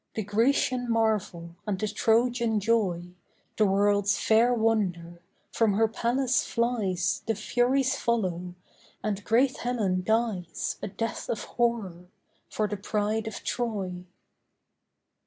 The Grecian marvel, and the Trojan joy, The world's fair wonder, from her palace flies The furies follow, and great Helen dies, A death of horror, for the pride of Troy.